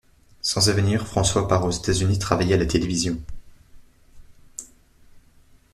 Sans avenir, François part aux États-Unis travailler à la télévision.